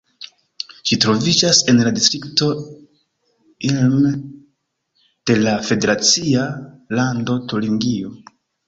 Ĝi troviĝas en la distrikto Ilm de la federacia lando Turingio.